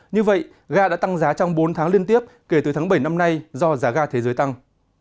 như vậy ga đã tăng giá trong bốn tháng liên tiếp kể từ tháng bảy năm nay do giá ga thế giới tăng